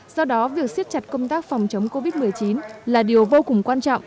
do đó việc siết chặt công tác phòng chống covid một mươi chín là điều vô cùng quan trọng